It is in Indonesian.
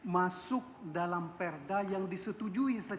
masuk dalam perda yang disetujui